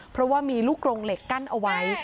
เพราะว่ามีลูกกรงเหล็กกั้นเอาไว้